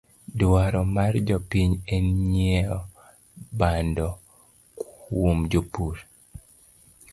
Dwaro mar jopiny en nyieo bando kwuom jopurr